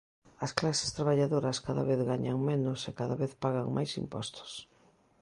As clases traballadoras cada vez gañan menos e cada vez pagan máis impostos.